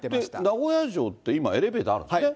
名古屋城って今、エレベーターあるんですね。